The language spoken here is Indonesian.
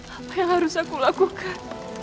apa yang harus aku lakukan